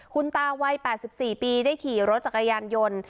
คุณตาวัย๘๔ปีได้ขี่รถจักรยานยนต์